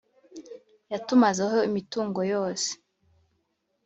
yatumaze ho imitungo yose